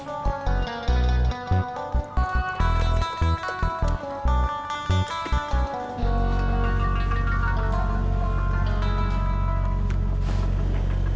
kalau belum ke sana